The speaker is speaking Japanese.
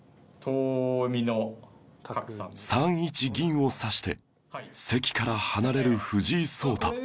３一銀を指して席から離れる藤井聡太